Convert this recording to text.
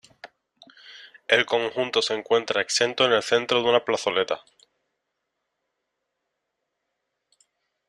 El conjunto se encuentra exento en el centro de una plazoleta.